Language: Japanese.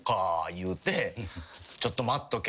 いうて「ちょっと待っとけ」